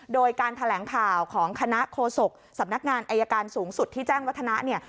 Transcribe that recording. โดยการแถลงข่าวของคณะโฆษกสำนักงานอายการสูงสุดที่แจ้งวัฒนะเนี่ย